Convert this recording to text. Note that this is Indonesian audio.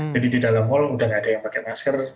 di dalam mal sudah tidak ada yang pakai masker